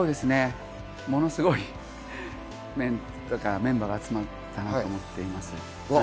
ものすごいメンバーが集まったなと思っています。